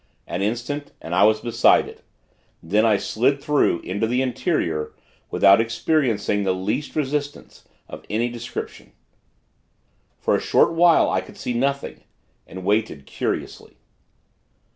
An instant, and I was beside it. Then, I slid through, into the interior, without experiencing the least resistance, of any description. For a short while, I could see nothing; and waited, curiously.